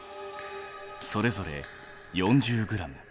それぞれ４０ｇ。